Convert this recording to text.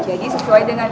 jadi sesuai dengan kita